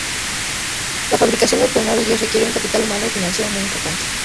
La fabricación de automóviles requiere un capital humano y financiero muy importante.